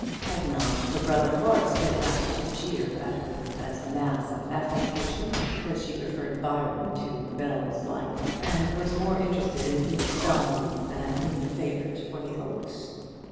Had not her brother Horace been apt to jeer at her as a mass of affectation, because she preferred Byron to "Bell's Life," and was more interested in Edith Dombey than in the favourite for the Oaks?